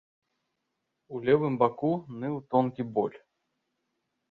У левым баку ныў тонкі боль.